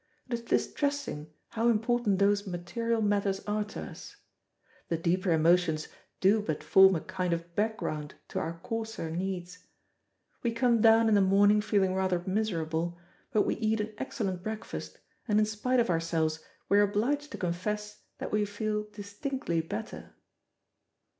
It is distressing how important those material matters are to us. The deeper emotions do but form a kind of background to our coarser needs. We come down in the morning feeling rather miserable, but we eat an excellent breakfast, and, in spite of ourselves, we are obliged to confess that we feel distinctly better.